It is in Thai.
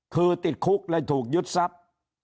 คือติดคุกและถูกยึดทรัพย์